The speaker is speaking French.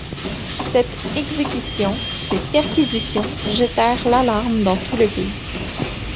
Cette exécution, ces perquisitions jetèrent l’alarme dans tout le pays.